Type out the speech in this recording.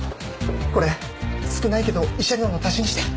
これ少ないけど慰謝料の足しにして。